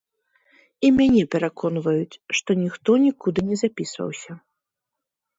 І мяне пераконваюць, што ніхто нікуды не запісваўся.